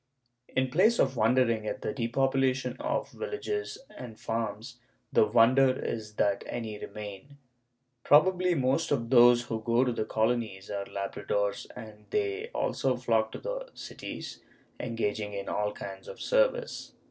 In place of wondering at the depopulation of villages and farms, the wonder is that any remain. Probably most of those who go to the Colonies are labradores and they also flock to the cities, engaging in all kinds of service.